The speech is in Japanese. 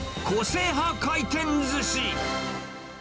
個性派回転ずし。